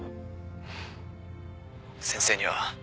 先生には